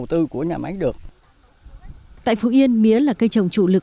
tại phú yên mía là cây trồng chủ lực